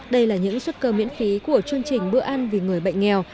đây là những xuất cơ miễn phí của chương trình bữa ăn vì người bệnh nghèo